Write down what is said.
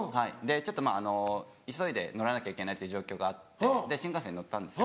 ちょっとまぁ急いで乗らなきゃいけないっていう状況があって新幹線乗ったんですよ。